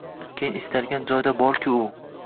Keyin istalgan joyda borku u.